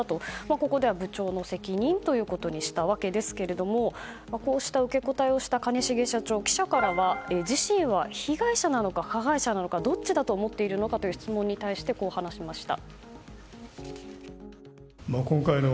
ここでは部長の責任ということにしたわけですがこうした受け答えをした兼重社長記者からは自身は被害者なのか加害者なのかどっちだと思っているのかという質問に対してこう話しました。